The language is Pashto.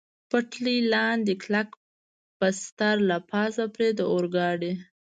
پټلۍ لاندې کلک بستر، له پاسه پرې د اورګاډي.